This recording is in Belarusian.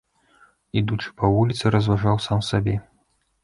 Ідучы па вуліцы, разважаў сам сабе.